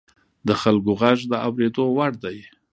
د خلکو غږ د اورېدو وړ دی